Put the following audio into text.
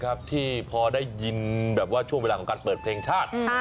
จากที่พอได้ยินช่วงเวลาของการเปิดเพลงชาติ